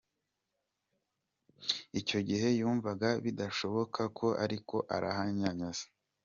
Icyo gihe yumvaga bidashoboka ariko arahanyanyaza.